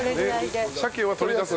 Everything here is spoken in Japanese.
鮭は取り出す。